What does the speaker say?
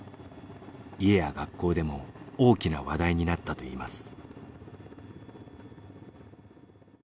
家や学校でも大きな話題になったといいます。